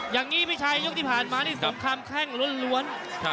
อย่างนี้ไม่ใช่ยกที่ผ่านมานี่สูงแข้งขึ้นล้วน